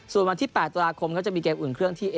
ส่วนวันที่๘ตุลาคมก็จะมีเกมอุ่นเครื่องที่